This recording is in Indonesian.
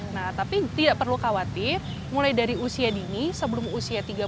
nah tapi tidak perlu khawatir mulai dari usia dini sebelum usia tiga puluh tahun